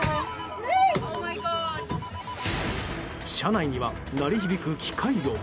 車内には鳴り響く機械音。